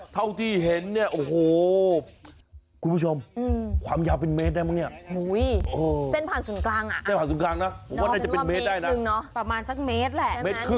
ใหญ่มากหรอค่ะไม่ง่ายนะเท่าที่เห็นเนี่ยโอ้โห